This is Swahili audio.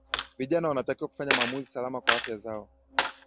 vijana wanatakiwa kufanya maamuzi salama kwa afya zao